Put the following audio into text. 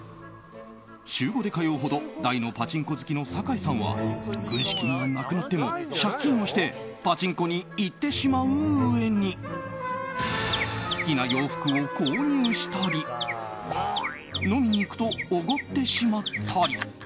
週５で通うほど大のパチンコ好きの酒井さんは軍資金がなくなっても借金をしてパチンコに行ってしまううえに好きな洋服を購入したり飲みに行くとおごってしまったり。